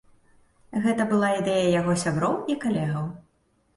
Гэта была ідэя яго сяброў і калегаў.